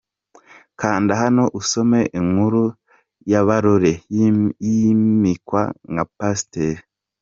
Kanda hano usome inkuru ya Barore yimikwa nka Pasiteri.